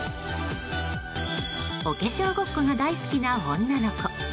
お化粧ごっこが大好きな女の子。